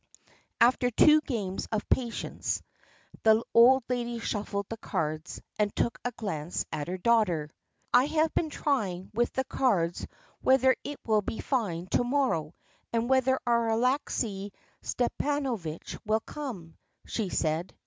After two games of patience, the old lady shuffled the cards and took a glance at her daughter. "I have been trying with the cards whether it will be fine to morrow, and whether our Alexey Stepanovitch will come," she said.